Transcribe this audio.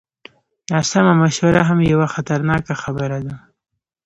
ناسمه مشوره هم یوه خطرناکه خبره ده.